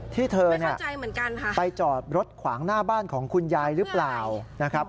ที่เธอไปจอดรถขวางหน้าบ้านของคุณยายหรือเปล่า